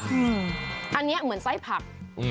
อันนี้หรือจะเหมือนไส้ผัก